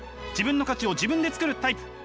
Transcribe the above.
自分の価値を自分で作るタイプ。